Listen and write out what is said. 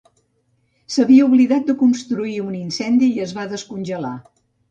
S'havia oblidat de construir un incendi i es va descongelar.